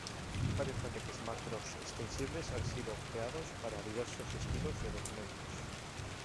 Varios paquetes macros extensibles han sido creados para diversos estilos de documentos.